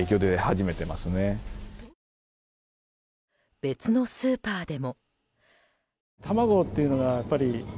別のスーパーでも。